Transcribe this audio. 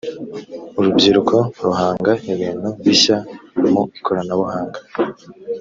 urubyiruko ruhanga ibintu bishya mu ikoranabuhanga